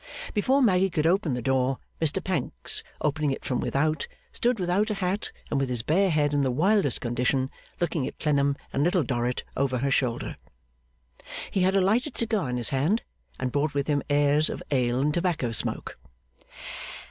Before Maggy could open the door, Mr Pancks, opening it from without, stood without a hat and with his bare head in the wildest condition, looking at Clennam and Little Dorrit, over her shoulder. He had a lighted cigar in his hand, and brought with him airs of ale and tobacco smoke.